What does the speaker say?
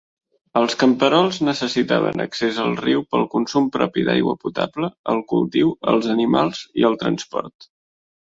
Els camperols necessitaven accés al riu pel consum propi d'aigua potable, el cultiu, els animals i el transport.